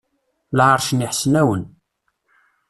Lɛerc n Iḥesnawen.